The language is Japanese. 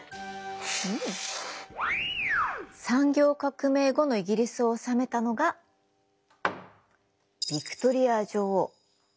産業革命後のイギリスを治めたのがヴィクトリア女王。